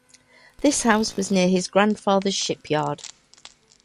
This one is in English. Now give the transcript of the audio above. This house was near his grandfathers ship yard.